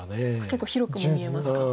結構広くも見えますか。